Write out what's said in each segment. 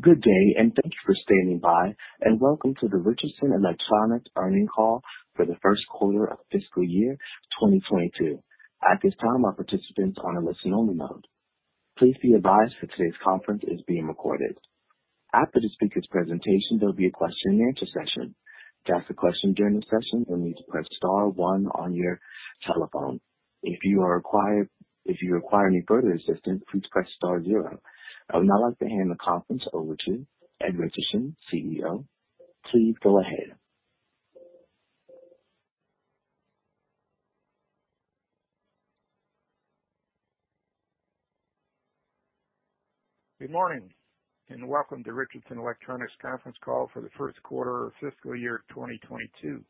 Good day. Thank you for standing by. Welcome to the Richardson Electronics earnings call for the first quarter of fiscal year 2022. At this time, our participants are on a listen only mode. Please be advised that today's conference is being recorded. After the speaker's presentation, there will be a question-and-answer session. To ask a question during the session, you will need to press star one on your telephone. If you require any further assistance, please press star zero. I would now like to hand the conference over to Ed Richardson, CEO. Please go ahead. Good morning. Welcome to Richardson Electronics conference call for the first quarter of fiscal year 2022.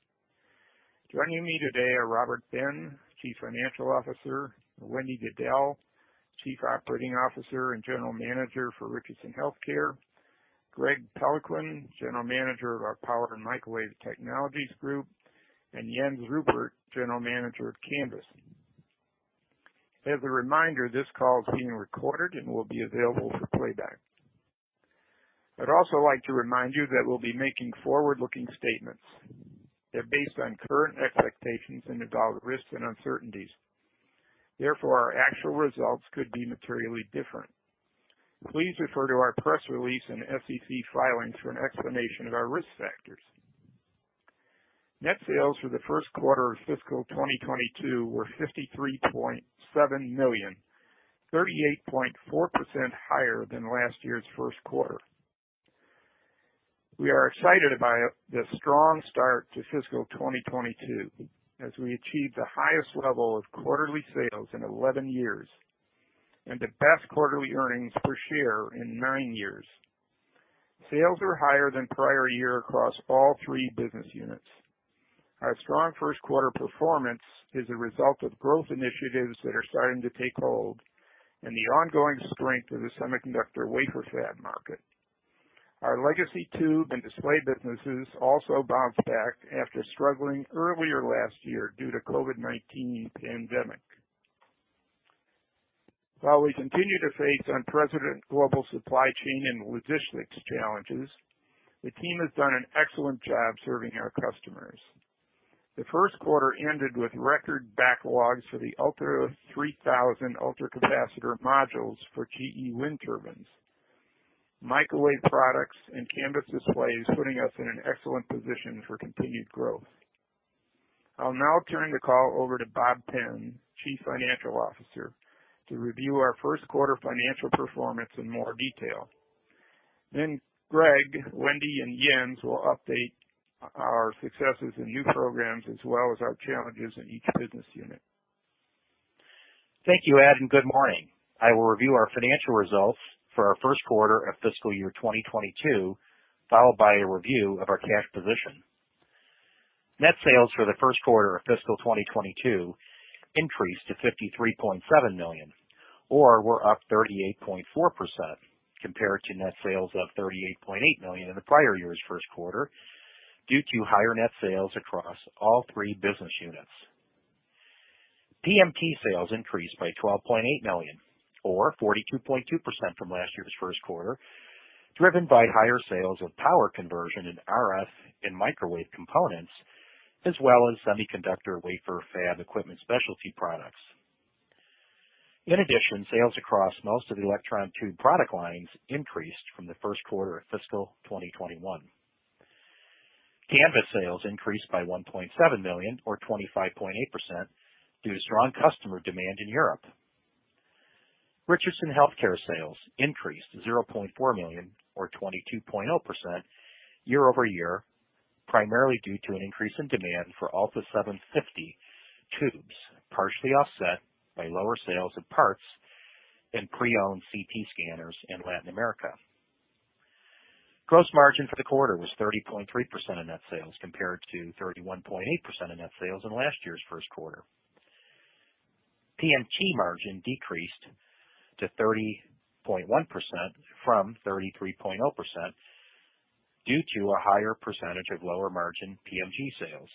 Joining me today are Robert Ben, Chief Financial Officer, Wendy Diddell, Chief Operating Officer and General Manager for Richardson Healthcare, Greg Peloquin, General Manager of our Power & Microwave Technologies group, and Jens Ruppert, General Manager of Canvys. As a reminder, this call is being recorded and will be available for playback. I'd also like to remind you that we'll be making forward-looking statements. They're based on current expectations and involve risks and uncertainties. Therefore, our actual results could be materially different. Please refer to our press release and SEC filings for an explanation of our risk factors. Net sales for the first quarter of fiscal 2022 were $53.7 million, 38.4% higher than last year's first quarter. We are excited about the strong start to fiscal 2022 as we achieved the highest level of quarterly sales in 11 years and the best quarterly earnings per share in nine years. Sales are higher than prior year across all three business units. Our strong first quarter performance is a result of growth initiatives that are starting to take hold and the ongoing strength of the semiconductor wafer fab market. Our legacy tube and display businesses also bounced back after struggling earlier last year due to COVID-19 pandemic. While we continue to face unprecedented global supply chain and logistics challenges, the team has done an excellent job serving our customers. The first quarter ended with record backlogs for the ULTRA3000 ultracapacitor modules for GE wind turbines, microwave products, and Canvys displays, putting us in an excellent position for continued growth. I'll now turn the call over to Bob Ben, Chief Financial Officer, to review our first quarter financial performance in more detail. Greg, Wendy, and Jens will update our successes and new programs as well as our challenges in each business unit. Thank you, Ed, and good morning. I will review our financial results for our first quarter of fiscal year 2022, followed by a review of our cash position. Net sales for the first quarter of fiscal 2022 increased to $53.7 million or were up 38.4% compared to net sales of $38.8 million in the prior year's first quarter, due to higher net sales across all three business units. PMT sales increased by $12.8 million or 42.2% from last year's first quarter, driven by higher sales of power conversion in RF and microwave components, as well as semiconductor wafer fab equipment specialty products. In addition, sales across most of the electron tube product lines increased from the first quarter of fiscal 2021. Canvys sales increased by $1.7 million or 25.8% due to strong customer demand in Europe. Richardson Healthcare sales increased to $0.4 million or 22.0% year-over-year, primarily due to an increase in demand for ALTA750 tubes, partially offset by lower sales of parts and pre-owned CT scanners in Latin America. Gross margin for the quarter was 30.3% of net sales compared to 31.8% of net sales in last year's first quarter. PMT margin decreased to 30.1% from 33.0% due to a higher percentage of lower margin PMT sales.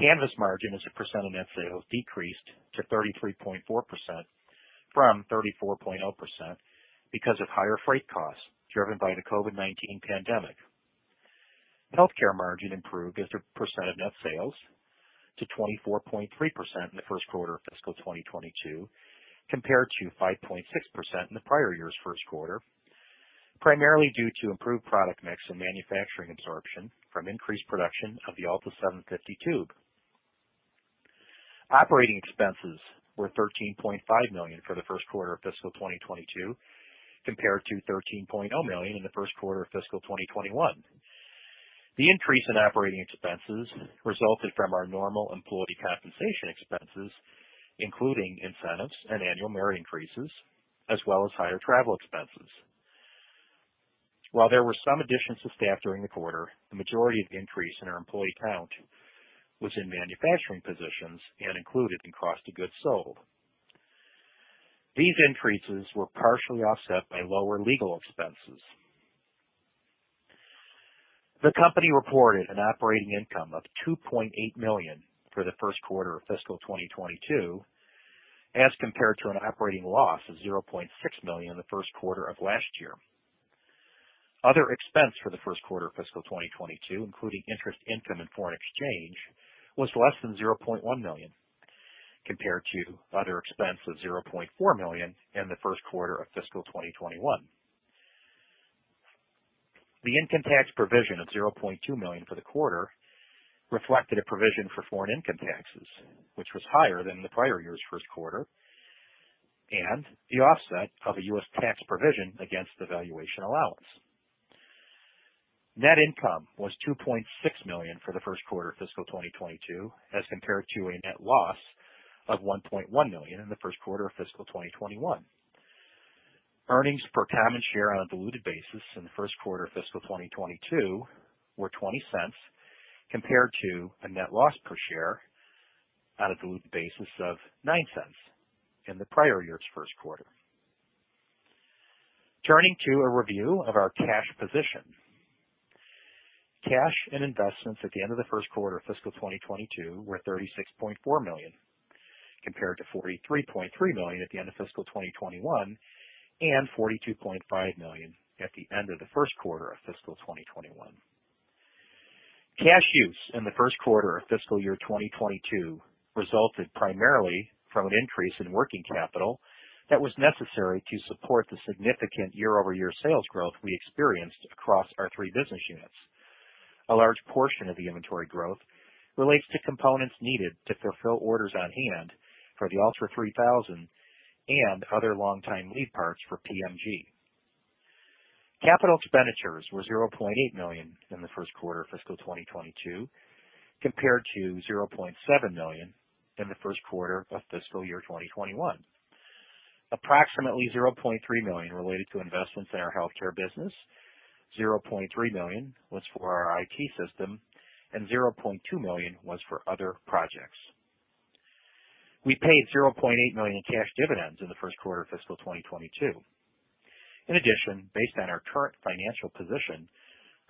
Canvys margin as a percent of net sales decreased to 33.4% from 34.0% because of higher freight costs driven by the COVID-19 pandemic. Healthcare margin improved as a percent of net sales to 24.3% in the first quarter of fiscal 2022 compared to 5.6% in the prior year's first quarter, primarily due to improved product mix and manufacturing absorption from increased production of the ALTA750 tube. Operating expenses were $13.5 million for the first quarter of fiscal 2022 compared to $13.0 million in the first quarter of fiscal 2021. The increase in operating expenses resulted from our normal employee compensation expenses, including incentives and annual merit increases, as well as higher travel expenses. While there were some additions to staff during the quarter, the majority of the increase in our employee count was in manufacturing positions and included in cost of goods sold. These increases were partially offset by lower legal expenses. The company reported an operating income of $2.8 million for the first quarter of fiscal 2022, as compared to an operating loss of $0.6 million in the first quarter of last year. Other expense for the first quarter of fiscal 2022, including interest income and foreign exchange, was less than $0.1 million, compared to other expense of $0.4 million in the first quarter of fiscal 2021. The income tax provision of $0.2 million for the quarter reflected a provision for foreign income taxes, which was higher than the prior year's first quarter, and the offset of a U.S. tax provision against the valuation allowance. Net income was $2.6 million for the first quarter of fiscal 2022, as compared to a net loss of $1.1 million in the first quarter of fiscal 2021. Earnings per common share on a diluted basis in the first quarter of fiscal 2022 were $0.20, compared to a net loss per share on a diluted basis of $0.09 in the prior year's first quarter. Turning to a review of our cash position. Cash and investments at the end of the first quarter of fiscal 2022 were $36.4 million, compared to $43.3 million at the end of fiscal 2021 and $42.5 million at the end of the first quarter of fiscal 2021. Cash use in the first quarter of fiscal year 2022 resulted primarily from an increase in working capital that was necessary to support the significant year-over-year sales growth we experienced across our three business units. A large portion of the inventory growth relates to components needed to fulfill orders on hand for the ULTRA3000 and other long-time lead parts for PMG. Capital expenditures were $0.8 million in the first quarter of fiscal 2022, compared to $0.7 million in the first quarter of fiscal year 2021. Approximately $0.3 million related to investments in our Healthcare business, $0.3 million was for our IT system, and $0.2 million was for other projects. We paid $0.8 million in cash dividends in the first quarter of fiscal 2022. In addition, based on our current financial position,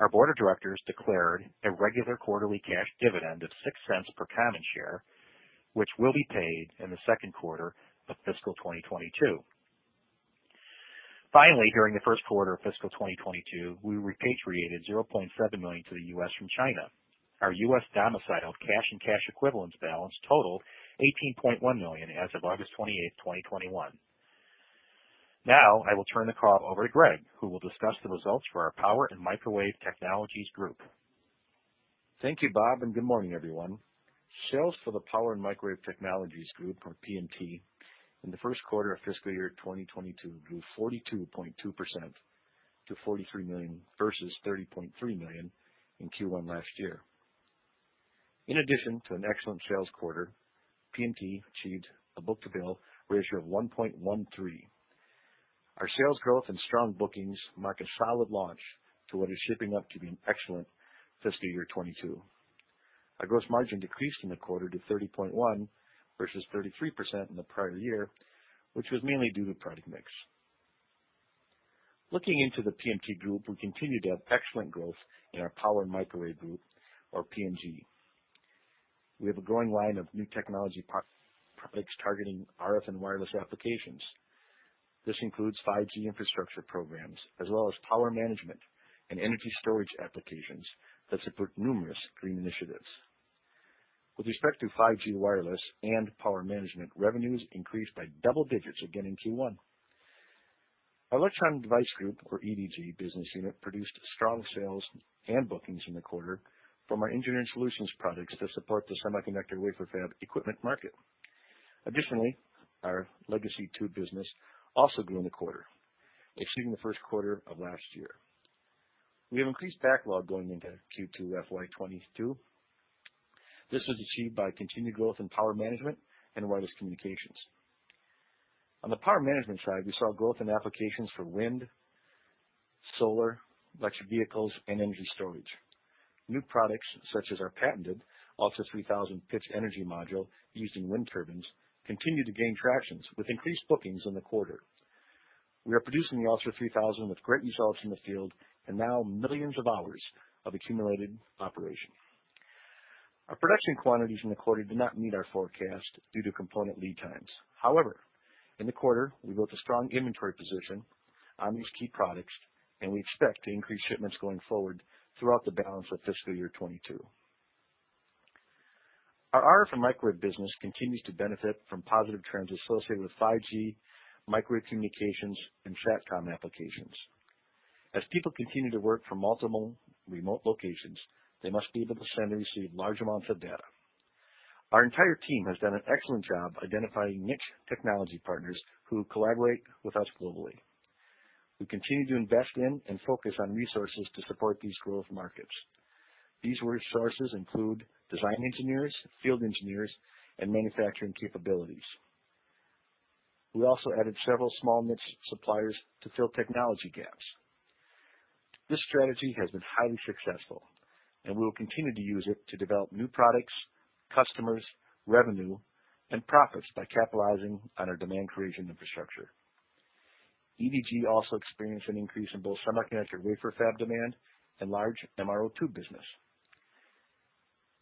our board of directors declared a regular quarterly cash dividend of $0.06 per common share, which will be paid in the second quarter of fiscal 2022. Finally, during the first quarter of fiscal 2022, we repatriated $0.7 million to the U.S. from China. Our U.S.-domiciled cash and cash equivalents balance totaled $18.1 million as of August 28, 2021. Now I will turn the call over to Greg, who will discuss the results for our Power & Microwave Technologies group. Thank you, Bob, and good morning, everyone. Sales for the Power & Microwave Technologies group, or PMT, in the first quarter of fiscal year 2022 grew 42.2% to $43 million versus $30.3 million in Q1 last year. In addition to an excellent sales quarter, PMT achieved a book-to-bill ratio of 1.13. Our sales growth and strong bookings mark a solid launch to what is shaping up to be an excellent fiscal year 2022. Our gross margin decreased in the quarter to 30.1% versus 33% in the prior year, which was mainly due to product mix. Looking into the PMT Group, we continue to have excellent growth in our Power & Microwave Group, or PMG. We have a growing line of new technology products targeting RF and wireless applications. This includes 5G infrastructure programs as well as power management and energy storage applications that support numerous green initiatives. With respect to 5G wireless and power management, revenues increased by double digits again in Q1. Our Electron Device Group, or EDG business unit, produced strong sales and bookings in the quarter from our engineering solutions products that support the semiconductor wafer fab equipment market. Additionally, our legacy tube business also grew in the quarter, exceeding the first quarter of last year. We have increased backlog going into Q2 FY 2022. This was achieved by continued growth in power management and wireless communications. On the power management side, we saw growth in applications for wind, solar, electric vehicles, and energy storage. New products such as our patented ULTRA3000 Pitch Energy Module used in wind turbines continue to gain traction with increased bookings in the quarter. We are producing the ULTRA3000 with great results in the field and now millions of hours of accumulated operation. Our production quantities in the quarter did not meet our forecast due to component lead times. In the quarter, we built a strong inventory position on these key products, and we expect to increase shipments going forward throughout the balance of fiscal year 2022. Our RF and microwave business continues to benefit from positive trends associated with 5G, microwave communications, and SATCOM applications. As people continue to work from multiple remote locations, they must be able to send and receive large amounts of data. Our entire team has done an excellent job identifying niche technology partners who collaborate with us globally. We continue to invest in and focus on resources to support these growth markets. These resources include design engineers, field engineers, and manufacturing capabilities. We also added several small niche suppliers to fill technology gaps. This strategy has been highly successful, and we will continue to use it to develop new products, customers, revenue, and profits by capitalizing on our demand creation infrastructure. EDG also experienced an increase in both semiconductor wafer fab demand and large MRO tube business.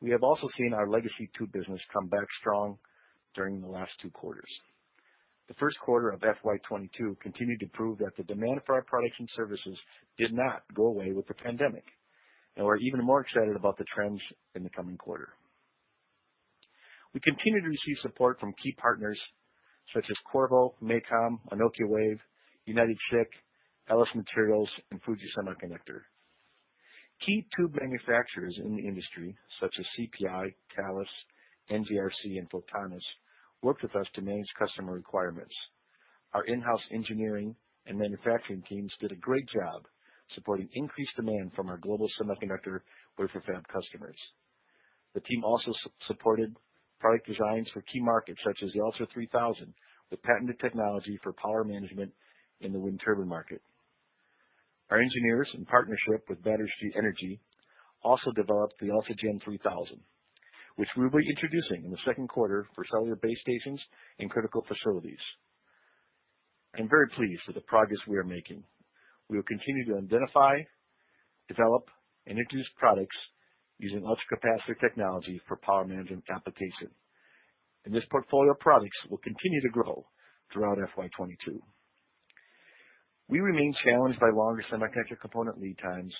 We have also seen our legacy tube business come back strong during the last two quarters. The first quarter of FY 2022 continued to prove that the demand for our products and services did not go away with the pandemic, and we're even more excited about the trends in the coming quarter. We continue to receive support from key partners such as Qorvo, MACOM, Anokiwave, UnitedSiC, LS Materials and Fuji Electric. Key tube manufacturers in the industry, such as CPI, Thales, NJRC and Photonis, worked with us to manage customer requirements. Our in-house engineering and manufacturing teams did a great job supporting increased demand from our global semiconductor wafer fab customers. The team also supported product designs for key markets such as the ULTRA3000, with patented technology for power management in the wind turbine market. Our engineers, in partnership with Battery Street Energy, also developed the ULTRAGEN3000, which we'll be introducing in the second quarter for cellular base stations and critical facilities. I'm very pleased with the progress we are making. We will continue to identify, develop, and introduce products using ultracapacitor technology for power management application, and this portfolio of products will continue to grow throughout FY 2022. We remain challenged by longer semiconductor component lead times.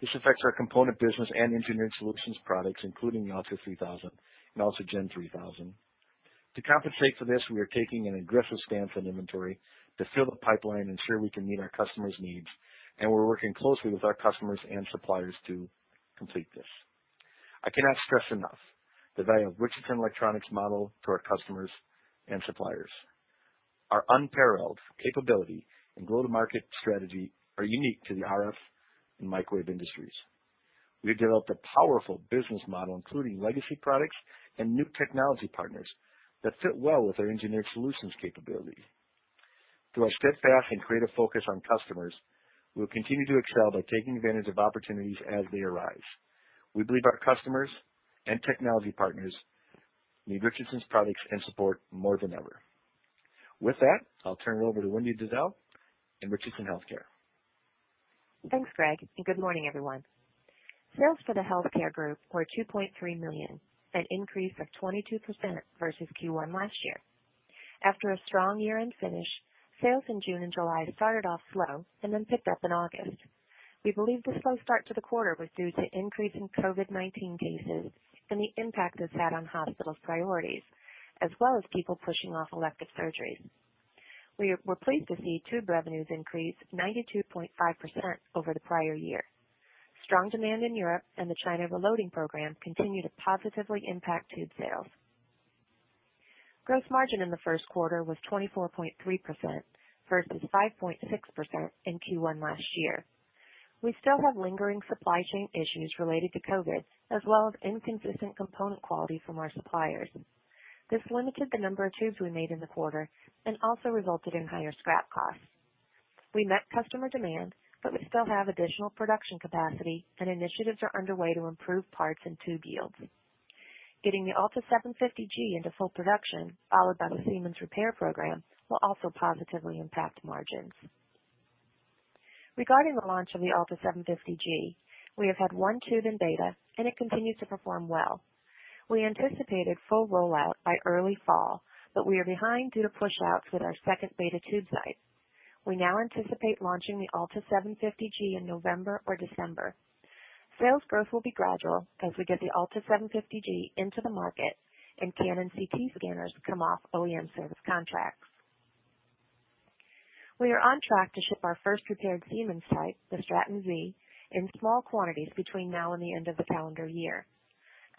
This affects our component business and engineered solutions products, including the ULTRA3000 and ULTRAGEN3000. To compensate for this, we are taking an aggressive stance on inventory to fill the pipeline, ensure we can meet our customers' needs, and we're working closely with our customers and suppliers to complete this. I cannot stress enough the value of Richardson Electronics model to our customers and suppliers. Our unparalleled capability and go-to-market strategy are unique to the RF and microwave industries. We have developed a powerful business model, including legacy products and new technology partners that fit well with our engineered solutions capability. Through our steadfast and creative focus on customers, we will continue to excel by taking advantage of opportunities as they arise. We believe our customers and technology partners need Richardson's products and support more than ever. With that, I'll turn it over to Wendy Diddell in Richardson Healthcare. Thanks, Greg, and good morning, everyone. Sales for the healthcare group were $2.3 million, an increase of 22% versus Q1 last year. After a strong year-end finish, sales in June and July started off slow and then picked up in August. We believe the slow start to the quarter was due to increase in COVID-19 cases and the impact this had on hospitals' priorities, as well as people pushing off elective surgeries. We were pleased to see tube revenues increase 92.5% over the prior year. Strong demand in Europe and the China reloading program continued to positively impact tube sales. Gross margin in the first quarter was 24.3% versus 5.6% in Q1 last year. We still have lingering supply chain issues related to COVID, as well as inconsistent component quality from our suppliers. This limited the number of tubes we made in the quarter and also resulted in higher scrap costs. We met customer demand, but we still have additional production capacity, and initiatives are underway to improve parts and tube yields. Getting the ALTA750G into full production, followed by the Siemens repair program, will also positively impact margins. Regarding the launch of the ALTA750G, we have had one tube in beta, and it continues to perform well. We anticipated full rollout by early fall, but we are behind due to push outs with our second beta tube site. We now anticipate launching the ALTA750G in November or December. Sales growth will be gradual as we get the ALTA750G into the market and Canon CT scanners come off OEM service contracts. We are on track to ship our first repaired Siemens site, the Straton Z, in small quantities between now and the end of the calendar year.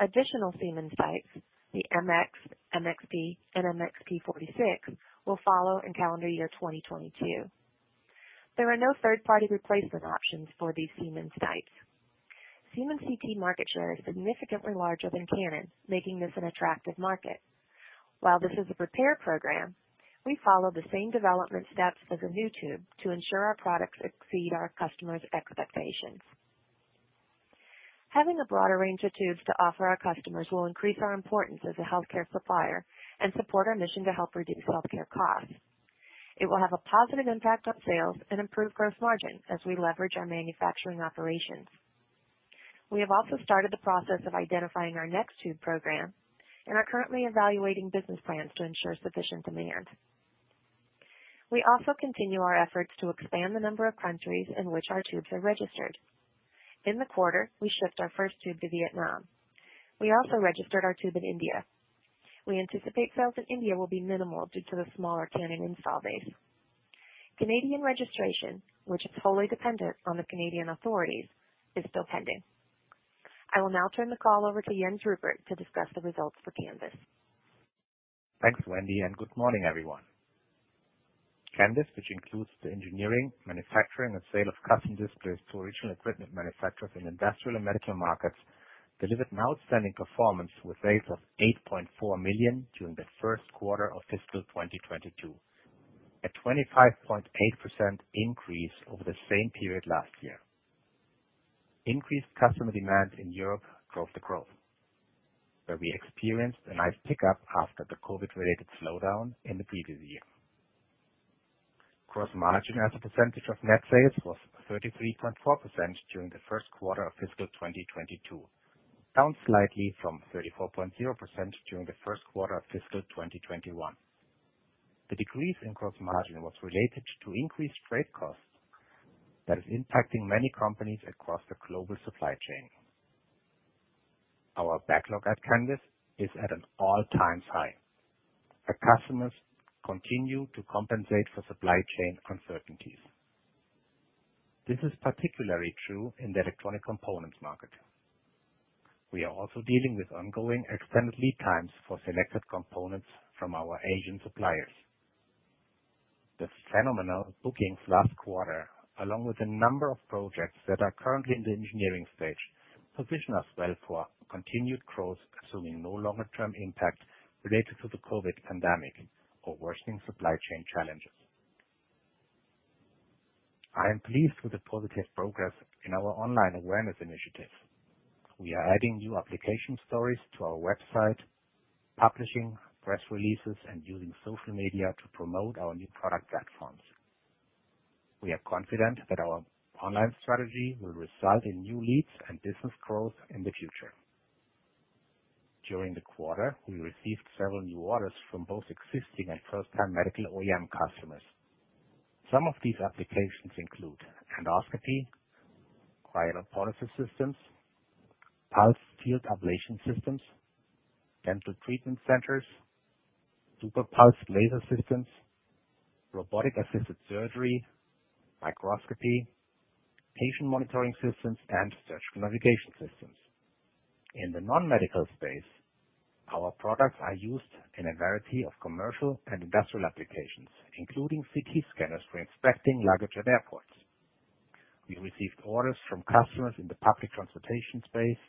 Additional Siemens sites, the MX, MXP, and MXP46, will follow in calendar year 2022. There are no third-party replacement options for these Siemens sites. Siemens CT market share is significantly larger than Canon, making this an attractive market. This is a repair program, we follow the same development steps as a new tube to ensure our products exceed our customers' expectations. Having a broader range of tubes to offer our customers will increase our importance as a healthcare supplier and support our mission to help reduce healthcare costs. It will have a positive impact on sales and improve gross margin as we leverage our manufacturing operations. We have also started the process of identifying our next tube program and are currently evaluating business plans to ensure sufficient demand. We also continue our efforts to expand the number of countries in which our tubes are registered. In the quarter, we shipped our first tube to Vietnam. We also registered our tube in India. We anticipate sales in India will be minimal due to the smaller Canon install base. Canadian registration, which is fully dependent on the Canadian authorities, is still pending. I will now turn the call over to Jens Ruppert to discuss the results for Canvys. Thanks, Wendy. Good morning, everyone. Canvys, which includes the engineering, manufacturing, and sale of custom displays to original equipment manufacturers in industrial and medical markets, delivered an outstanding performance with sales of $8.4 million during the first quarter of fiscal 2022, a 25.8% increase over the same period last year. Increased customer demand in Europe drove the growth, where we experienced a nice pickup after the COVID-related slowdown in the previous year. Gross margin as a percentage of net sales was 33.4% during the first quarter of fiscal 2022, down slightly from 34.0% during the first quarter of fiscal 2021. The decrease in gross margin was related to increased freight costs that is impacting many companies across the global supply chain. Our backlog at Canvys is at an all-time high as customers continue to compensate for supply chain uncertainties. This is particularly true in the electronic components market. We are also dealing with ongoing extended lead times for selected components from our Asian suppliers. The phenomenal bookings last quarter, along with a number of projects that are currently in the engineering stage, position us well for continued growth, assuming no longer term impact related to the COVID pandemic or worsening supply chain challenges. I am pleased with the positive progress in our online awareness initiatives. We are adding new application stories to our website, publishing press releases, and using social media to promote our new product platforms. We are confident that our online strategy will result in new leads and business growth in the future. During the quarter, we received several new orders from both existing and first-time medical OEM customers. Some of these applications include endoscopy, cryolipolysis systems, pulsed field ablation systems, dental treatment centers, super pulsed laser systems, robotic-assisted surgery, microscopy, patient monitoring systems, and surgical navigation systems. In the non-medical space, our products are used in a variety of commercial and industrial applications, including CT scanners for inspecting luggage at airports. We received orders from customers in the public transportation space,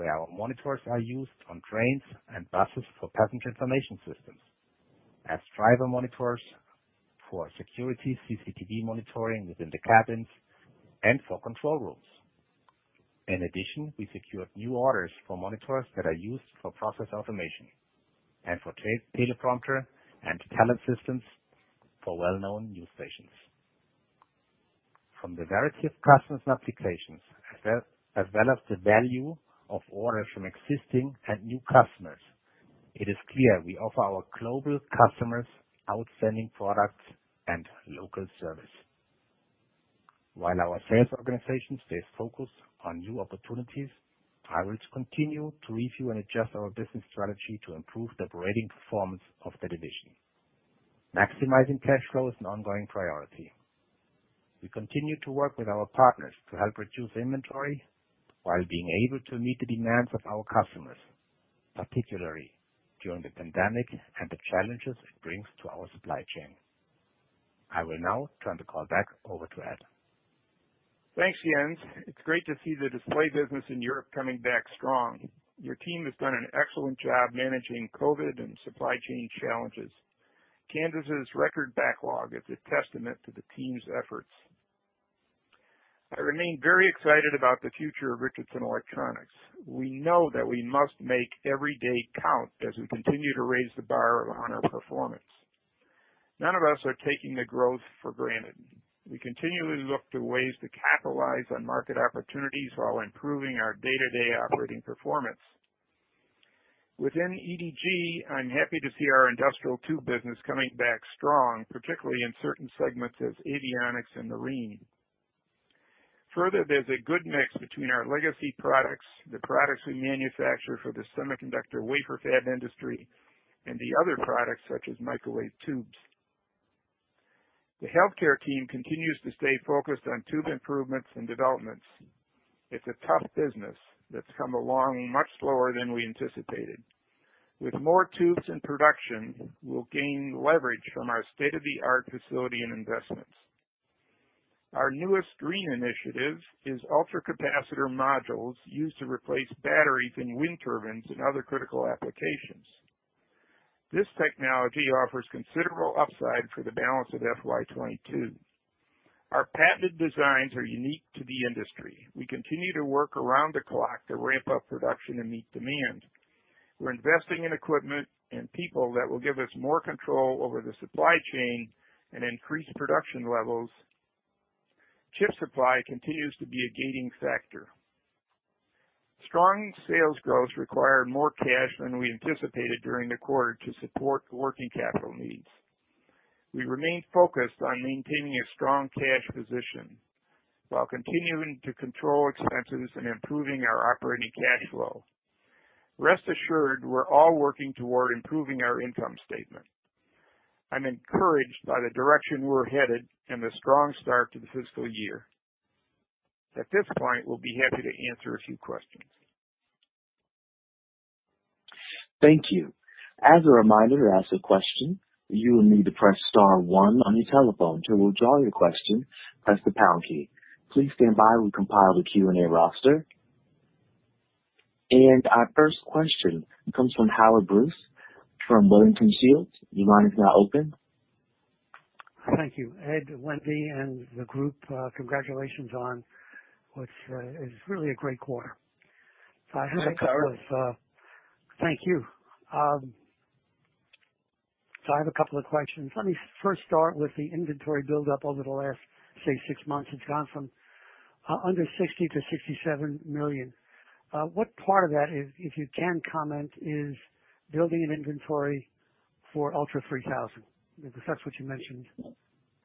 where our monitors are used on trains and buses for passenger information systems, as driver monitors for security CCTV monitoring within the cabins, and for control rooms. In addition, we secured new orders for monitors that are used for process automation and for teleprompter and talent systems for well-known news stations. From the variety of customers and applications, as well as the value of orders from existing and new customers, it is clear we offer our global customers outstanding products and local service. While our sales organization stays focused on new opportunities, I will continue to review and adjust our business strategy to improve the operating performance of the division. Maximizing cash flow is an ongoing priority. We continue to work with our partners to help reduce inventory while being able to meet the demands of our customers, particularly during the pandemic and the challenges it brings to our supply chain. I will now turn the call back over to Ed. Thanks, Jens. It's great to see the display business in Europe coming back strong. Your team has done an excellent job managing COVID and supply chain challenges. Canvys' record backlog is a testament to the team's efforts. I remain very excited about the future of Richardson Electronics. We know that we must make every day count as we continue to raise the bar on our performance. None of us are taking the growth for granted. We continually look to ways to capitalize on market opportunities while improving our day-to-day operating performance. Within EDG, I'm happy to see our industrial tube business coming back strong, particularly in certain segments as avionics and marine. There's a good mix between our legacy products, the products we manufacture for the semiconductor wafer fab industry, and the other products such as microwave tubes. The healthcare team continues to stay focused on tube improvements and developments. It's a tough business that's come along much slower than we anticipated. With more tubes in production, we'll gain leverage from our state-of-the-art facility and investments. Our newest green initiative is ultracapacitor modules used to replace batteries in wind turbines and other critical applications. This technology offers considerable upside for the balance of FY 2022. Our patented designs are unique to the industry. We continue to work around the clock to ramp up production and meet demand. We're investing in equipment and people that will give us more control over the supply chain and increase production levels. Chip supply continues to be a gating factor. Strong sales growth required more cash than we anticipated during the quarter to support the working capital needs. We remain focused on maintaining a strong cash position while continuing to control expenses and improving our operating cash flow. Rest assured, we're all working toward improving our income statement. I'm encouraged by the direction we're headed and the strong start to the fiscal year. At this point, we'll be happy to answer a few questions. Thank you. As a reminder, to ask a question, you will need to press star one on your telephone. To withdraw your question, press the pound key. Please stand by while we compile the Q&A roster. Our first question comes from Howard Brous from Wellington Shields. Your line is now open. Thank you. Ed, Wendy, and the group, congratulations on what's is really a great quarter. Thanks, Howard. I have a couple of. Thank you. I have a couple of questions. Let me first start with the inventory buildup over the last, say, 6 months. It's gone from, under $60 million-$67 million. What part of that, if you can comment, is building an inventory for ULTRA3000? Because that's what you mentioned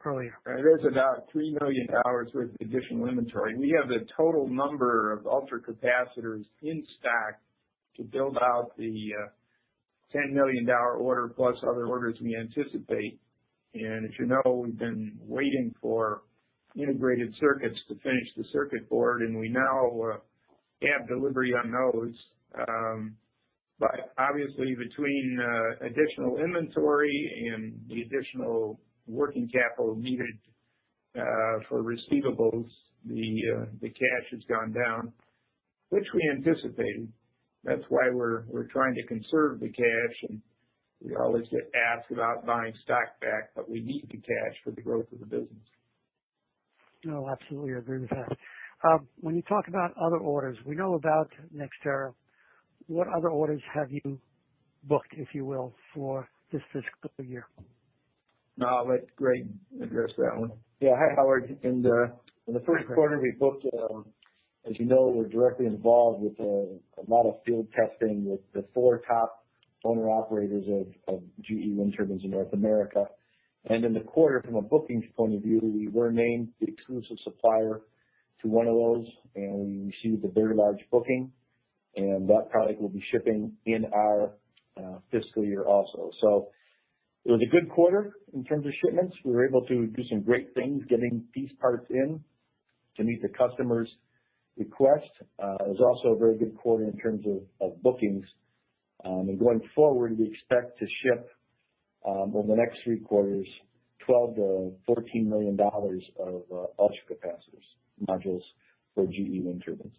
earlier. It is about $3 million worth of additional inventory. We have the total number of ultracapacitors in stock to build out the $10 million order plus other orders we anticipate. If you know, we've been waiting for integrated circuits to finish the circuit board, and we now have delivery on those. Obviously, between additional inventory and the additional working capital needed for receivables, the cash has gone down, which we anticipated. That's why we're trying to conserve the cash. We always get asked about buying stock back, we need the cash for the growth of the business. No, absolutely agree with that. When you talk about other orders, we know about NextEra. What other orders have you booked, if you will, for this fiscal year? No, I'll let Greg address that one. Yeah. Hi, Howard. In the first quarter, we booked, as you know, we're directly involved with a lot of field testing with the four top owner-operators of GE wind turbines in North America. In the quarter, from a bookings point of view, we were named the exclusive supplier to one of those, and we received a very large booking, and that product will be shipping in our fiscal year also. It was a good quarter in terms of shipments. We were able to do some great things, getting piece parts in to meet the customer's request. It was also a very good quarter in terms of bookings. Going forward, we expect to ship over the next three quarters, $12 million-$14 million of ultracapacitor modules for GE wind turbines.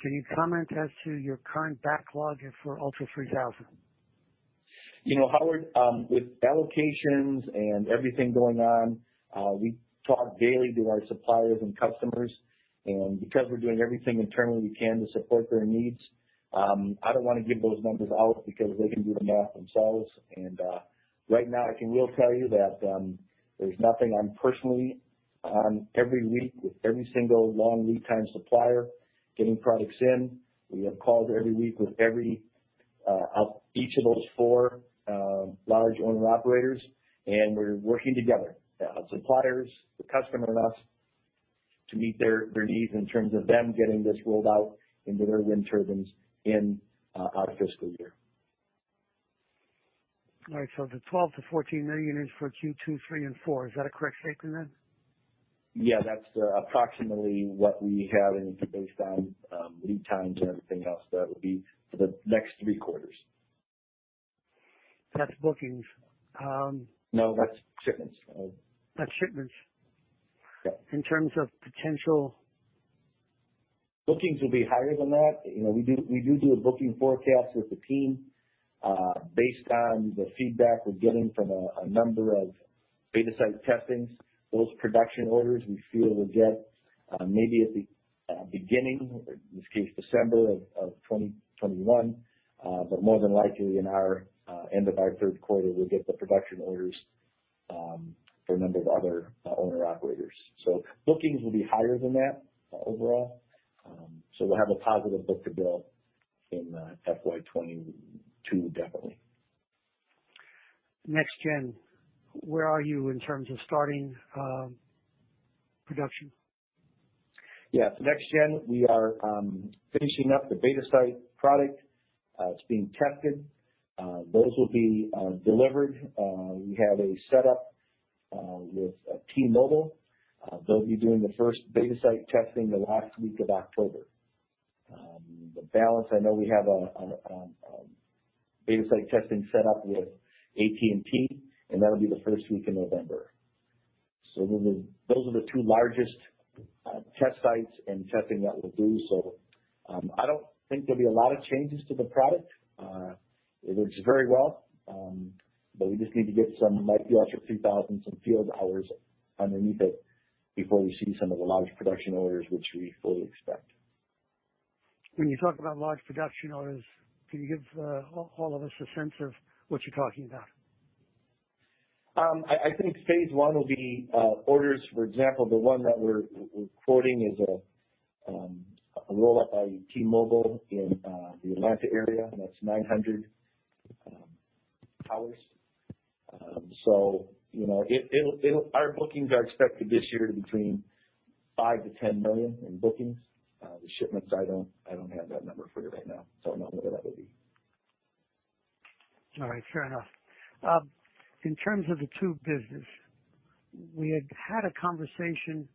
Can you comment as to your current backlog for ULTRA3000? You know, Howard, with allocations and everything going on, we talk daily to our suppliers and customers. Because we're doing everything internally we can to support their needs, I don't wanna give those numbers out because they can do the math themselves. Right now, I will tell you that there's nothing I'm personally on every week with every single long lead time supplier getting products in. We have calls every week with every of each of those four large owner-operators, and we're working together, suppliers, the customer, and us to meet their needs in terms of them getting this rolled out into their wind turbines in our fiscal year. All right. The $12 million-$14 million is for Q2, Q3, and Q4. Is that a correct statement then? Yeah, that's approximately what we have. Based on lead times and everything else, that would be for the next three quarters. That's bookings. No, that's shipments. That's shipments. Yeah. In terms of potential- Bookings will be higher than that. You know, we do a booking forecast with the team, based on the feedback we're getting from a number of beta site testings. Those production orders we feel will get maybe at the beginning, in this case, December 2021. More than likely in our end of our third quarter, we'll get the production orders for a number of other owner-operators. Bookings will be higher than that overall. We'll have a positive book-to-bill in FY 2022, definitely. Next-gen, where are you in terms of starting production? Yeah. Next-gen, we are finishing up the beta site product. It's being tested. Those will be delivered. We have a setup with T-Mobile. They'll be doing the first beta site testing the last week of October. The balance, I know we have a beta site testing set up with AT&T, and that'll be the first week of November. Those are the two largest test sites and testing that we'll do. I don't think there'll be a lot of changes to the product. It looks very well, but we just need to get some, like the ULTRA3000, some field hours underneath it before we see some of the large production orders, which we fully expect. When you talk about large production orders, can you give all of us a sense of what you're talking about? I think phase one will be orders. For example, the one that we're quoting is a roll-up by T-Mobile in the Atlanta area, and that's 900 towers. You know, our bookings are expected this year to be between $5 million-$10 million in bookings. The shipments, I don't have that number for you right now, so I don't know what that would be. All right. Fair enough. In terms of the tube business, we had a conversation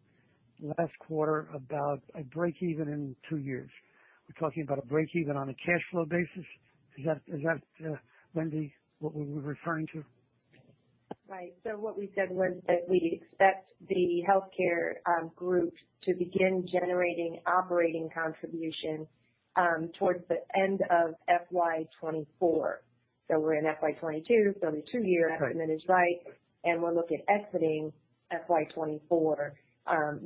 last quarter about a break-even in two years. We're talking about a break-even on a cash flow basis. Is that, Wendy, what we were referring to? Right. What we said was that we expect the Healthcare group to begin generating operating contributions towards the end of FY 2024. We're in FY 2022, so it'll be two years. Right. Then is right. We're looking at exiting FY 2024,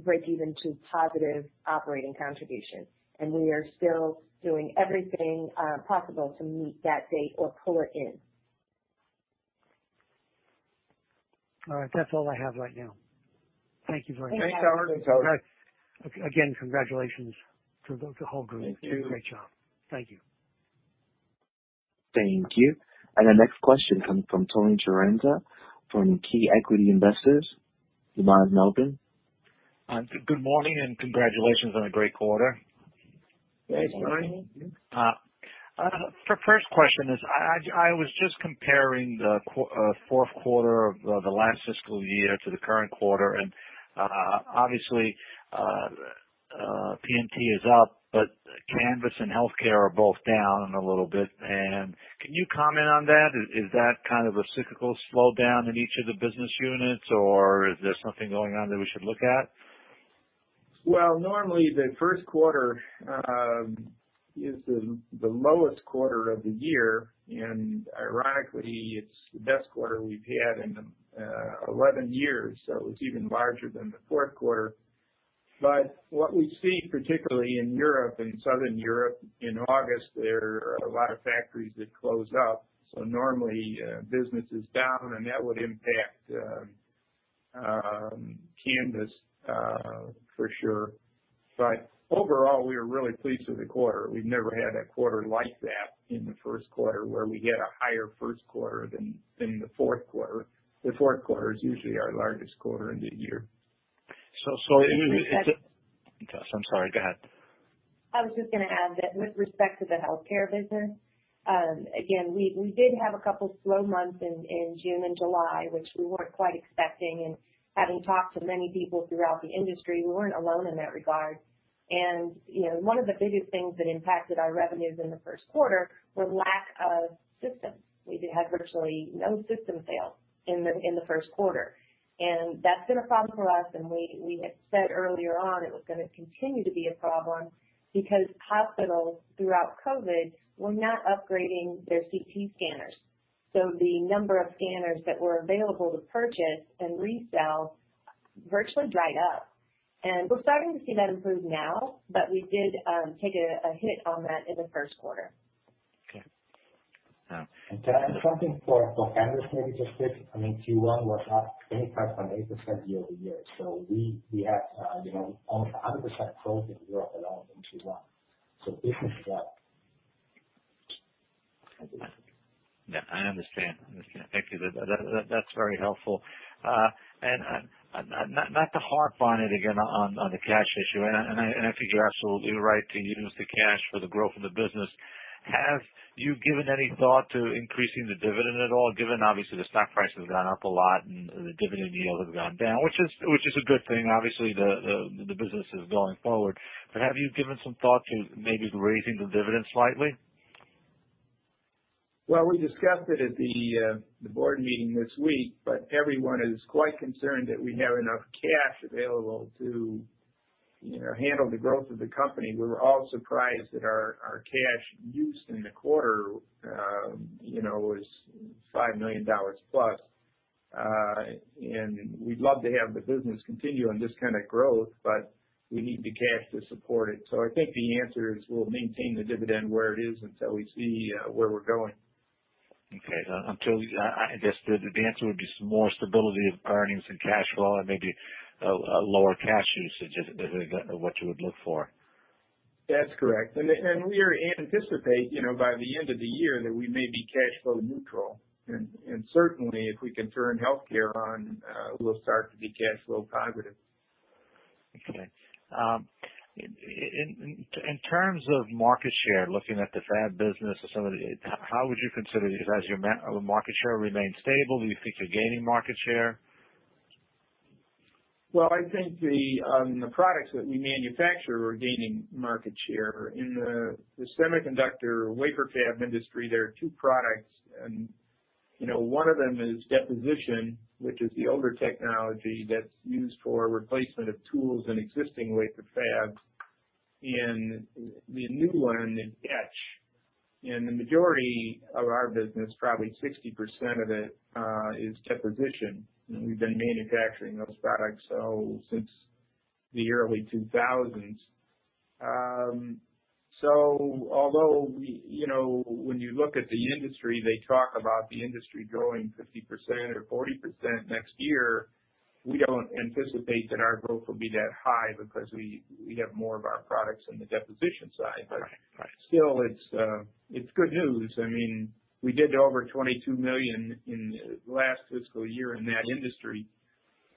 breakeven to positive operating contribution. We are still doing everything possible to meet that date or pull it in. All right. That's all I have right now. Thank you very much. Thanks. Thanks, Howard. Again, congratulations to the whole group. Thank you. Great job. Thank you. Thank you. The next question comes from Tony Chiarenza from Key Equity Investors. You may ask your question. Good morning and congratulations on a great quarter. Thanks, Tony. First question is I was just comparing the fourth quarter of the last fiscal year to the current quarter, and obviously, PMT is up, but Canvys and Healthcare are both down a little bit. Can you comment on that? Is that kind of a cyclical slowdown in each of the business units, or is there something going on that we should look at? Normally, the first quarter is the lowest quarter of the year, and ironically, it's the best quarter we've had in 11 years, so it's even larger than the fourth quarter. What we see, particularly in Europe and Southern Europe in August, there are a lot of factories that close up, so normally, business is down, and that would impact Canvys for sure. Overall, we are really pleased with the quarter. We've never had a quarter like that in the first quarter where we get a higher first quarter than the fourth quarter. The fourth quarter is usually our largest quarter in the year. So it is- Can I just- Yes, I'm sorry. Go ahead. I was just gonna add that with respect to the Healthcare business, again, we did have a couple slow months in June and July, which we weren't quite expecting. Having talked to many people throughout the industry, we weren't alone in that regard. You know, one of the biggest things that impacted our revenues in the first quarter was lack of systems. We had virtually no system sales in the first quarter. That's been a problem for us, and we had said earlier on it was gonna continue to be a problem because hospitals throughout COVID were not upgrading their CT scanners. The number of scanners that were available to purchase and resell virtually dried up. We're starting to see that improve now, but we did take a hit on that in the first quarter. Okay. Can I add something for Canvys maybe just quickly? I mean, Q1 was up 25.8% year-over-year. We have, you know, almost 100% growth in Europe alone in Q1. Business is up. Yeah, I understand. I understand. Thank you. That's very helpful. Not to harp on it again on the cash issue, and I think you're absolutely right to use the cash for the growth of the business. Have you given any thought to increasing the dividend at all, given obviously the stock price has gone up a lot and the dividend yield has gone down, which is a good thing. Obviously, the business is going forward. Have you given some thought to maybe raising the dividend slightly? We discussed it at the board meeting this week, everyone is quite concerned that we have enough cash available to, you know, handle the growth of the company. We were all surprised that our cash use in the quarter, you know, was $5 million+. We'd love to have the business continue on this kind of growth, we need the cash to support it. I think the answer is we'll maintain the dividend where it is until we see where we're going. Okay. Until I guess the answer would be some more stability of earnings and cash flow and maybe a lower cash usage is what you would look for. That's correct. We are anticipate, you know, by the end of the year that we may be cash flow neutral. Certainly, if we can turn Healthcare on, we'll start to be cash flow positive. Okay. In terms of market share, looking at the fab business or some of it, how would you consider it? Have market share remained stable? Do you think you're gaining market share? Well, I think the products that we manufacture are gaining market share. In the semiconductor wafer fab industry, there are two products, you know, one of them is deposition, which is the older technology that's used for replacement of tools in existing wafer fabs, and the new one is etch. The majority of our business, probably 60% of it, is deposition. You know, we've been manufacturing those products since the early 2000s. Although we, you know, when you look at the industry, they talk about the industry growing 50% or 40% next year, we don't anticipate that our growth will be that high because we have more of our products in the deposition side. Right. Right. Still it's good news. I mean, we did over $22 million in the last fiscal year in that industry.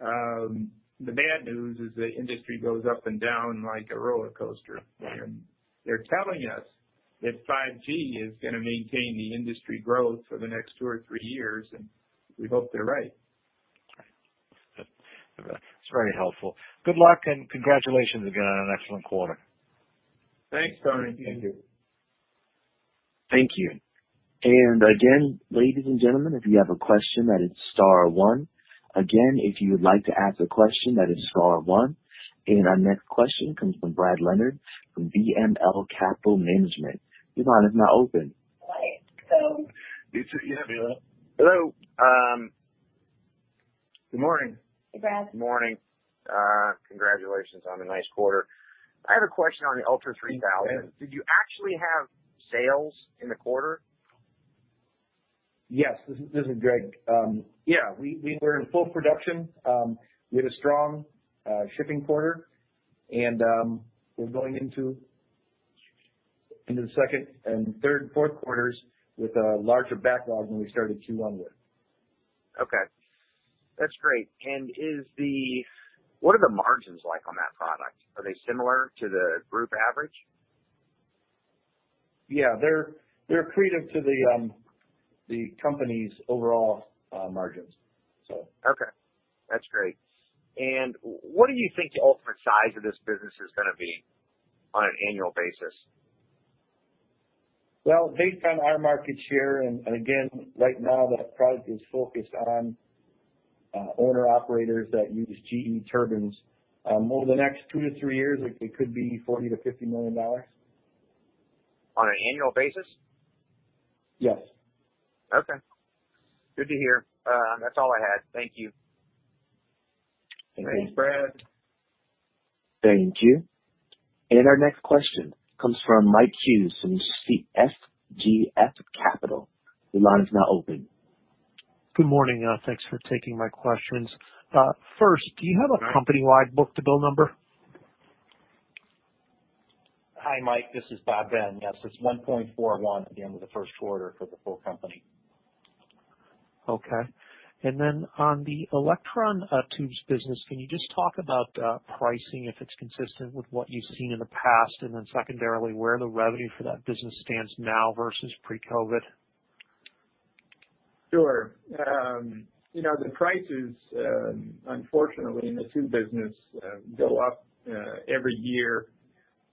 The bad news is the industry goes up and down like a roller coaster. Right. They're telling us that 5G is gonna maintain the industry growth for the next two or three years, and we hope they're right. Right. It's very helpful. Good luck and congratulations again on an excellent quarter. Thanks, Tony. Thank you. Thank you. Again, ladies and gentlemen, if you have a question, that is star one. Again, if you would like to ask a question, that is star one. Our next question comes from Brad Leonard from BML Capital Management. Your line is now open. Right. You two, you have me now. Hello. Good morning. Hey, Brad. Good morning. Congratulations on a nice quarter. I have a question on the ULTRA3000. Did you actually have sales in the quarter? Yes. This is Greg. Yeah, we're in full production. We had a strong shipping quarter, we're going into the second, third, and fourth quarters with a larger backlog than we started 2021 with. Okay. That's great. What are the margins like on that product? Are they similar to the group average? They're accretive to the company's overall margins. Okay. That's great. What do you think the ultimate size of this business is gonna be on an annual basis? Well, based on our market share, and again, right now that product is focused on owner-operators that use GE turbines. Over the next two to three years, it could be $40 million-$50 million. On an annual basis? Yes. Okay. Good to hear. That's all I had. Thank you. Thanks, Brad. Thank you. Our next question comes from Mike Hughes from SGF Capital Your line is now open. Good morning. Thanks for taking my questions. First, do you have a company-wide book-to-bill number? Hi, Mike, this is Bob Ben. Yes, it's $1.41 at the end of the first quarter for the full company. Okay. On the electron tubes business, can you just talk about pricing, if it's consistent with what you've seen in the past? Secondarily, where the revenue for that business stands now versus pre-COVID. Sure. you know, the prices, unfortunately in the tube business, go up every year,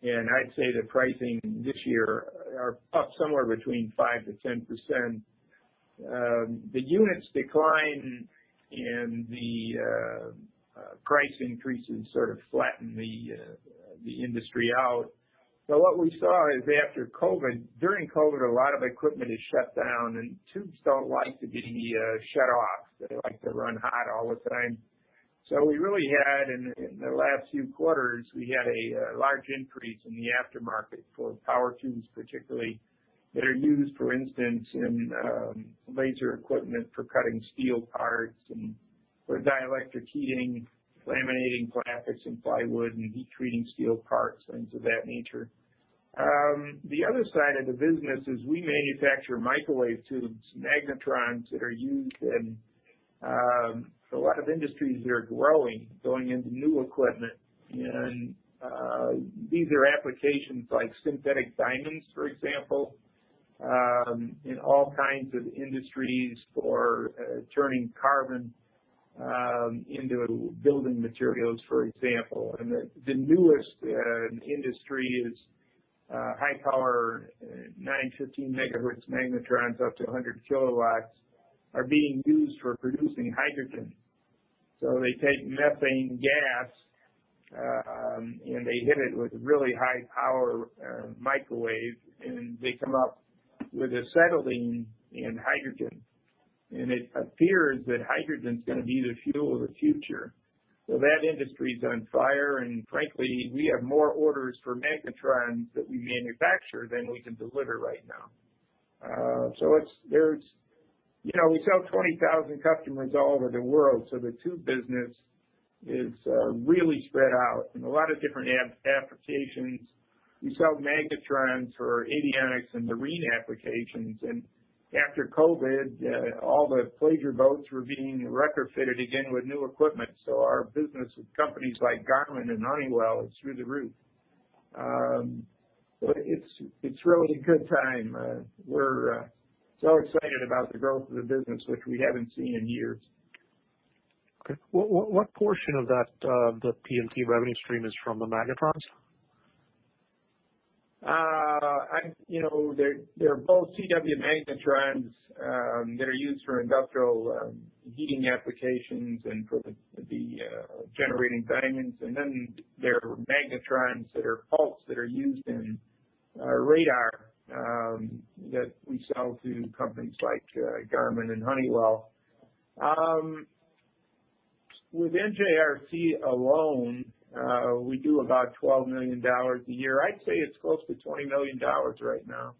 and I'd say the pricing this year are up somewhere between 5%-10%. The units decline, and the price increases sort of flatten the industry out. What we saw is after COVID, during COVID, a lot of equipment is shut down, and tubes don't like to be shut off. They like to run hot all the time. We really had in the last few quarters, we had a large increase in the aftermarket for power tubes particularly, that are used, for instance, in laser equipment for cutting steel parts and for dielectric heating, laminating plastics and plywood and heat-treating steel parts and things of that nature. The other side of the business is we manufacture microwave tubes, magnetrons that are used in a lot of industries that are growing, going into new equipment. These are applications like synthetic diamonds, for example, in all kinds of industries for turning carbon into building materials, for example. The newest industry is high power 915 MHz magnetrons up to 100 kW are being used for producing hydrogen. They take methane gas and they hit it with really high power microwave, and they come up with acetylene and hydrogen. It appears that hydrogen's gonna be the fuel of the future. That industry's on fire, and frankly, we have more orders for magnetrons that we manufacture than we can deliver right now. You know, we sell 20,000 customers all over the world, so the tube business is really spread out in a lot of different applications. We sell magnetrons for avionics and marine applications. After COVID, all the pleasure boats were being retrofitted again with new equipment, so our business with companies like Garmin and Honeywell is through the roof. It's, it's really a good time. We're so excited about the growth of the business, which we haven't seen in years. Okay. What portion of that, the PMT revenue stream is from the magnetrons? You know, they're both CW magnetrons that are used for industrial heating applications and for generating diamonds. Then there are magnetrons that are pulsed that are used in radar that we sell to companies like Garmin and Honeywell. Within JRC alone, we do about $12 million a year. I'd say it's close to $20 million right now.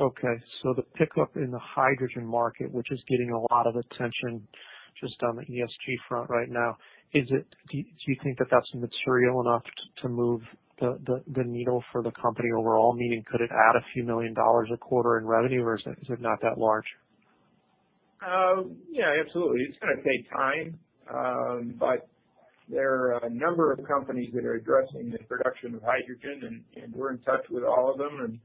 Okay. The pickup in the hydrogen market, which is getting a lot of attention just on the ESG front right now, do you think that that's material enough to move the needle for the company overall? Meaning, could it add a few million dollars a quarter in revenue, or is it not that large? Yeah, absolutely. It's gonna take time. There are a number of companies that are addressing the production of hydrogen, and we're in touch with all of them.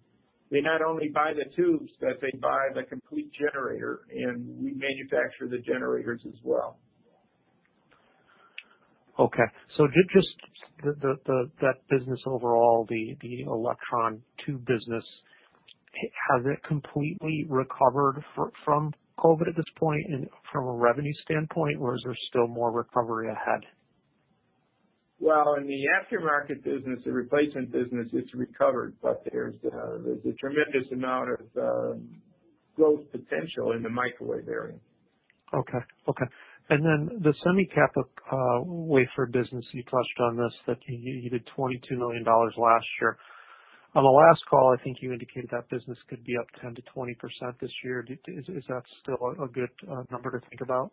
They not only buy the tubes, but they buy the complete generator, and we manufacture the generators as well. Okay. Just that business overall, the electron tube business, has it completely recovered from COVID at this point and from a revenue standpoint, or is there still more recovery ahead? Well, in the aftermarket business, the replacement business is recovered, but there's a tremendous amount of growth potential in the microwave area. Okay. Okay. Then the semi cap wafer business, you touched on this, that you did $22 million last year. On the last call, I think you indicated that business could be up 10%-20% this year. Is that still a good number to think about?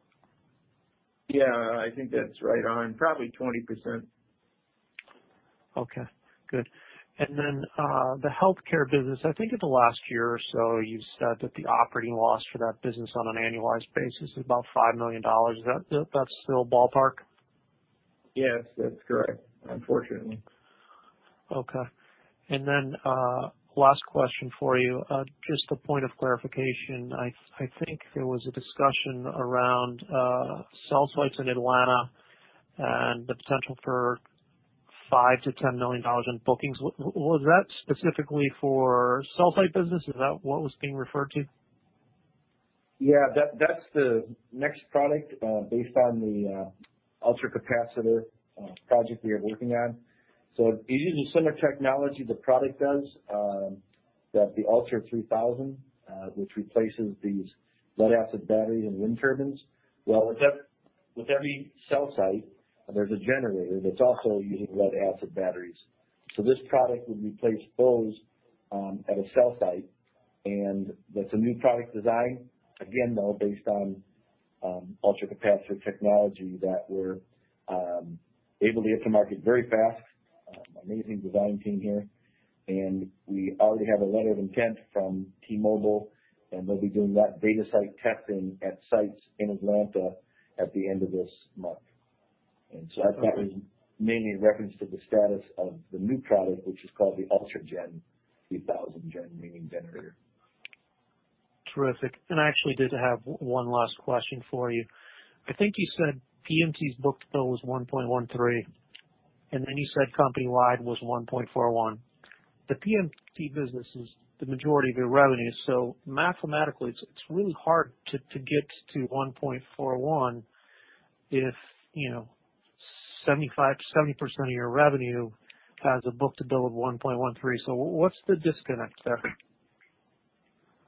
Yeah, I think that's right on, probably 20%. Okay, good. The healthcare business, I think in the last year or so, you said that the operating loss for that business on an annualized basis is about $5 million. Is that still ballpark? Yes, that's correct. Unfortunately. Okay. Last question for you. Just a point of clarification. I think there was a discussion around cell sites in Atlanta and the potential for $5 million-$10 million in bookings. Was that specifically for cell site business? Is that what was being referred to? Yeah, that's the next product, based on the ultracapacitor project we are working on. It uses similar technology the product does, that the ULTRA3000, which replaces these lead-acid batteries and wind turbines. Well, with every cell site, there's a generator that's also using lead-acid batteries. This product would replace those at a cell site. That's a new product design. Again, though, based on ultracapacitor technology that we're able to get to market very fast. Amazing design team here. We already have a letter of intent from T-Mobile, and they'll be doing that beta site testing at sites in Atlanta at the end of this month. That was mainly in reference to the status of the new product, which is called the ULTRAGEN3000 gen, meaning generator. Terrific. I actually did have one last question for you. I think you said PMT's book-to-bill was 1.13. You said company-wide was 1.41. The PMT business is the majority of your revenue, so mathematically it's really hard to get to 1.41 if, you know, 75%-70% of your revenue has a book-to-bill of 1.13. What's the disconnect there?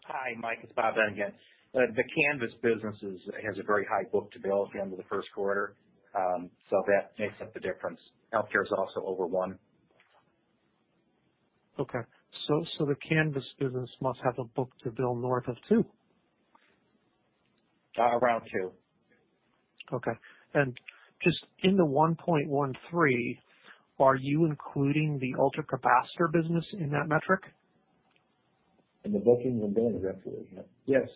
Hi, Mike, it's Bob Ben again. The Canvys business has a very high book-to-bill at the end of the first quarter. That makes up the difference. Healthcare is also over one. Okay. The Canvys business must have a book-to-bill north of two. Around two. Okay. Just in the $1.13, are you including the ultracapacitor business in that metric? In the bookings and billings, absolutely, yes.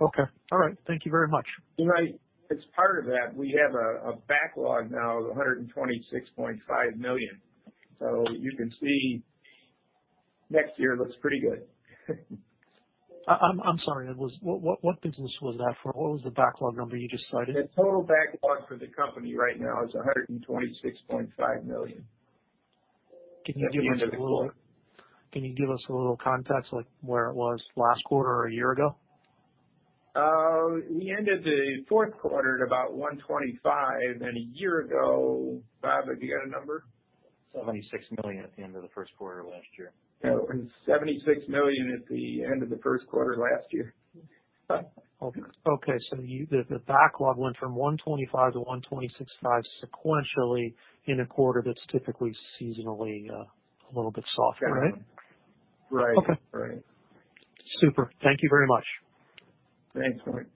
Okay. All right. Thank you very much. As part of that, we have a backlog now of $126.5 million. You can see next year looks pretty good. I'm sorry. It was What business was that for? What was the backlog number you just cited? The total backlog for the company right now is $126.5 million. Can you give us a little-? At the end of the quarter. Can you give us a little context, like where it was last quarter or a year ago? We ended the fourth quarter at about $125. A year ago, Bob, have you got a number? $76 million at the end of the first quarter last year. $76 million at the end of the first quarter last year. Okay. The backlog went from $125-$126.5 sequentially in a quarter that's typically seasonally a little bit softer, right? Right. Okay. Right. Super. Thank you very much. Thanks, Mike.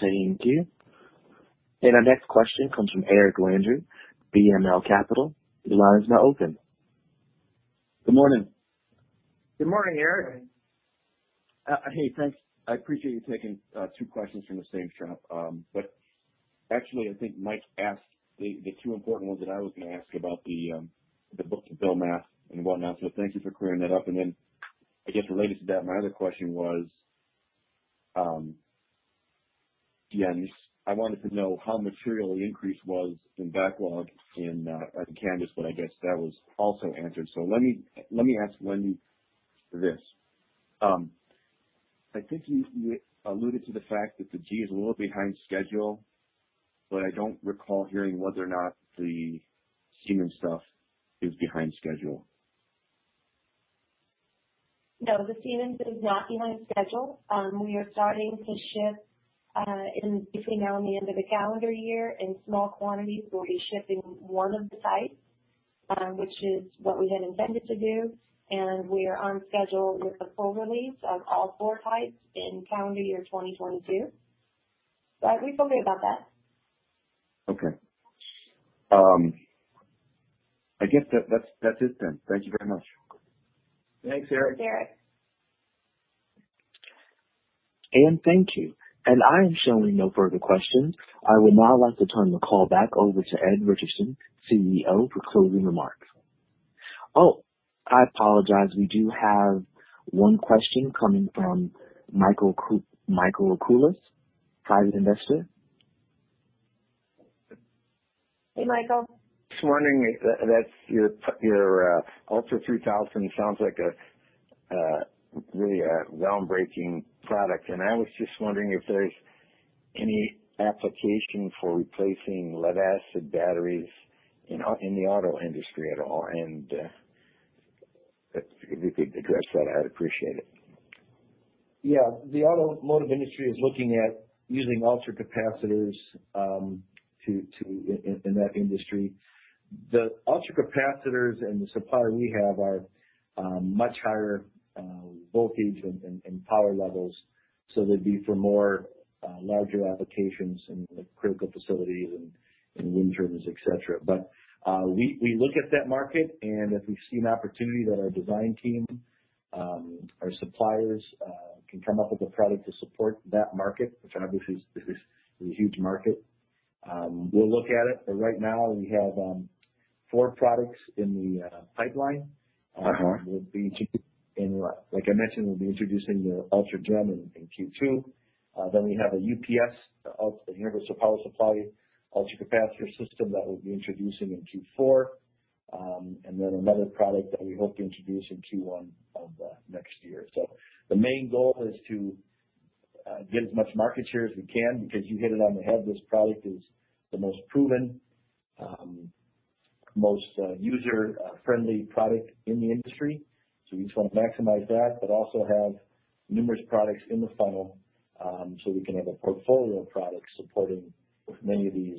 Thank you. Our next question comes from Eric Landry, BML Capital. Your line is now open. Good morning. Good morning, Eric. Hey, thanks. I appreciate you taking two questions from the same shop. Actually, I think Mike asked the two important ones that I was gonna ask about the book-to-bill math and whatnot. Thank you for clearing that up. Then, I guess related to that, my other question was, yeah, just I wanted to know how material the increase was in backlog in at Canvys, but I guess that was also answered. Let me ask this. I think you alluded to the fact that the G is a little behind schedule, but I don't recall hearing whether or not the Canvys stuff is behind schedule. No, the CT is not behind schedule. We are starting to ship in between now and the end of the calendar year in small quantities. We'll be shipping one of the tubes, which is what we had intended to do, and we are on schedule with the full release of all four tubes in calendar year 2022. I'd say something about that. Okay. I guess that's it then. Thank you very much. Thanks, Eric. Thanks, Eric. Thank you. I am showing no further questions. I will now like to turn the call back over to Ed Richardson, CEO, for closing remarks. I apologize. We do have one question coming from Michael Koukladas, Private Investor. Hey, Michael. Just wondering if that's your ULTRA3000 sounds like a really a groundbreaking product. I was just wondering if there's any application for replacing lead-acid batteries in the auto industry at all. If you could address that, I'd appreciate it. Yeah. The automotive industry is looking at using ultracapacitors in that industry. The ultracapacitors and the supplier we have are much higher voltage and power levels, so they'd be for more larger applications in the critical facilities and in wind turbines, et cetera. We look at that market, and if we see an opportunity that our design team, our suppliers can come up with a product to support that market, which obviously is a huge market, we'll look at it. Right now we have four products in the pipeline. We'll be introducing the ULTRAGEN in Q2. We have a UPS, an uninterrupted power supply ultracapacitor system that we'll be introducing in Q4. Another product that we hope to introduce in Q1 of next year. The main goal is to get as much market share as we can because you hit it on the head. This product is the most proven, most user friendly product in the industry. We just want to maximize that, but also have numerous products in the funnel so we can have a portfolio of products supporting many of these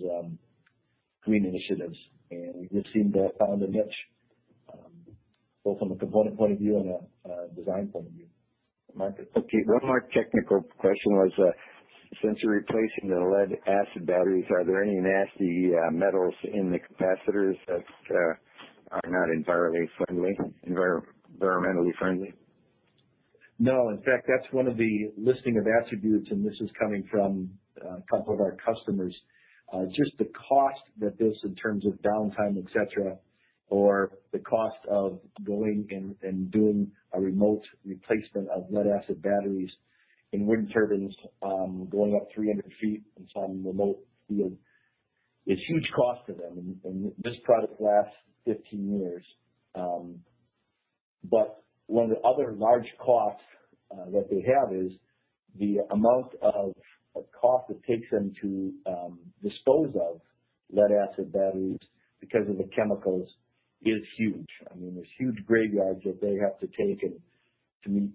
green initiatives. We just seem to have found a niche, both from a component point of view and a design point of view, Michael. Okay. One more technical question was, since you're replacing the lead-acid batteries, are there any nasty metals in the capacitors that are not environmentally friendly? No. In fact, that's one of the listing of attributes, and this is coming from a couple of our customers. Just the cost that this, in terms of downtime, et cetera, or the cost of going and doing a remote replacement of lead-acid batteries in wind turbines, going up 300 feet in some remote field is huge cost to them. This product lasts 15 years. One of the other large costs that they have is the amount of cost it takes them to dispose of lead-acid batteries because of the chemicals is huge. I mean, there's huge graveyards that they have to take to meet,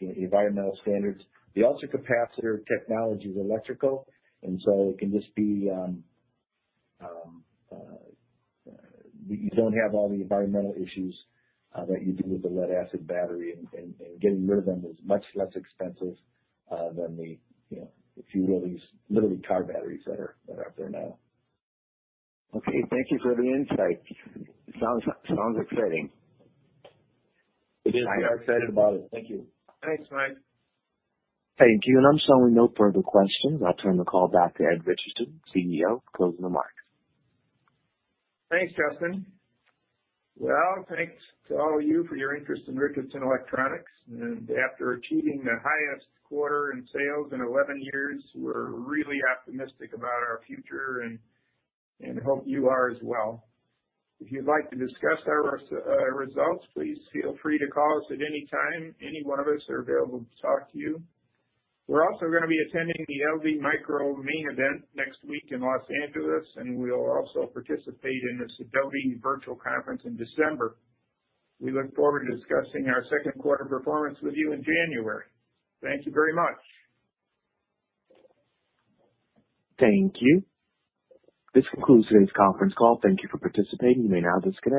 you know, environmental standards. The ultracapacitor technology is electrical, and so it can just be, you don't have all the environmental issues, that you do with the lead-acid battery, and getting rid of them is much less expensive, than the, you know, if you will, these literally car batteries that are out there now. Okay. Thank you for the insight. Sounds exciting. It is. We are excited about it. Thank you. Thanks, Mike. Thank you. I'm showing no further questions. I'll turn the call back to Ed Richardson, CEO, to close remarks. Thanks, Justin. Well, thanks to all of you for your interest in Richardson Electronics. After achieving the highest quarter in sales in 11 years, we're really optimistic about our future and hope you are as well. If you'd like to discuss our results, please feel free to call us at any time. Any one of us are available to talk to you. We're also gonna be attending the LD Micro Main Event next week in Los Angeles, and we'll also participate in the Sidoti virtual conference in December. We look forward to discussing our second quarter performance with you in January. Thank you very much. Thank you. This concludes today's conference call. Thank you for participating. You may now disconnect.